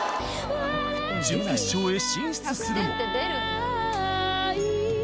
準決勝へ進出するも。